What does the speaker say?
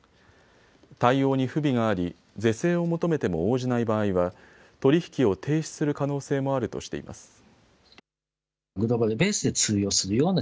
対応に不備があり是正を求めても応じない場合は取り引きを停止する可能性もあるとしています。